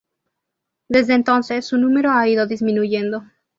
Desde entonces, su número ha ido disminuyendo.